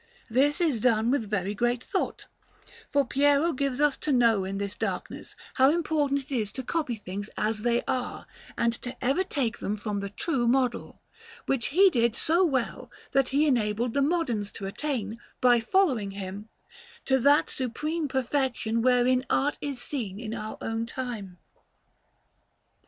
This is done with very great thought, for Piero gives us to know in this darkness how important it is to copy things as they are and to ever take them from the true model; which he did so well that he enabled the moderns to attain, by following him, to that supreme perfection wherein art is seen in our own time.